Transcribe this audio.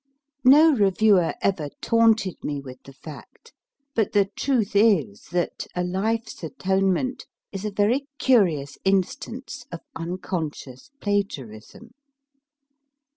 No reviewer ever taunted me with the fact, but the truth is that A Life s Atonement is a very curious instance of unconscious plagiarism.